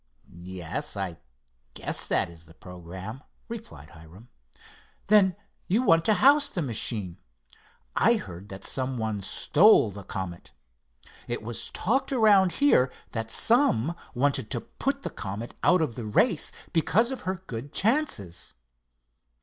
"Yes, I guess that is the programme," replied Hiram. "Then you want to house the machine. I heard that some one stole the Comet. It was talked around here that some wanted to put the Comet out of the race because of her good chances."